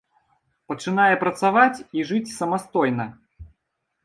Пачынае працаваць і жыць самастойна.